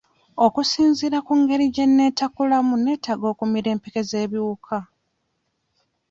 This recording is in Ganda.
Okusinziira ku ngeri gye neetakulamu neetaga okumira empeke z'ebiwuka.